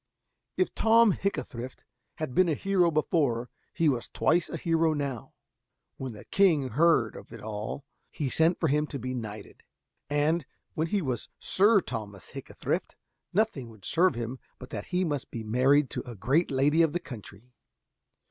If Tom Hickathrift had been a hero before, he was twice a hero now. When the king heard of it all, he sent for him to be knighted, and when he was Sir Thomas Hickathrift nothing would serve him but that he must be married to a great lady of the country.